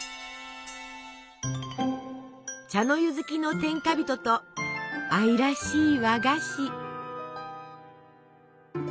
茶の湯好きの天下人と愛らしい和菓子。